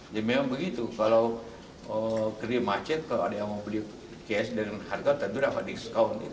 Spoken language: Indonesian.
jadi memang begitu kalau kremacet kalau ada yang mau beli cash dengan harga tentu dapat discount